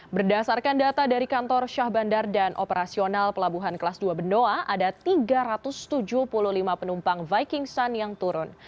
berdasarkan data dari kantor syah bandar dan operasional pelabuhan kelas dua benoa ada tiga ratus tujuh puluh lima penumpang viking sun yang turun